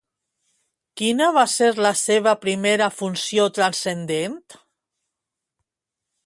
Quina va ser la seva primera funció transcendent?